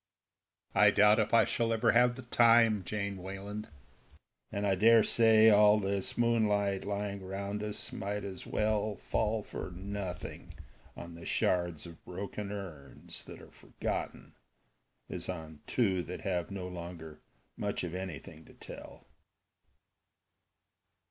"I doubt if I shall ever have the time, Jane Wayland; And I dare say all this moonlight lying round us might as well Fall for nothing on the shards of broken urns that are forgotten, As on two that have no longer much of anything to tell."